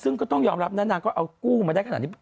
ซึ่งก็ต้องยอมรับนะนางก็เอากู้มาได้ขนาดนี้